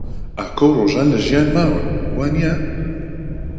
ئاکۆ و ڕۆژان لە ژیان ماون، وانییە؟